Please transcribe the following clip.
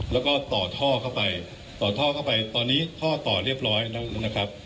แล้วก็ต่อท่อเข้าไปต่อท่อเข้าไปตอนนี้ท่อต่อเรียบร้อยแล้วนะครับ